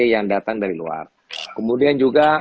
yang datang dari luar kemudian juga